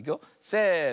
せの。